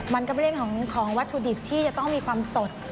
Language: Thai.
มันก็เป็นเรื่องของวัตถุดิบที่จะต้องมีความสด